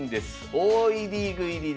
王位リーグ入りで。